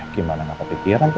gimana gak kepikiran tuh